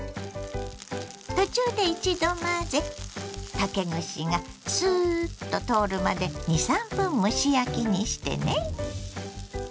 途中で一度混ぜ竹串がスーッと通るまで２３分蒸し焼きにしてね。